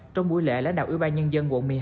trong buổi lệ lãnh đạo ubnd quận một mươi hai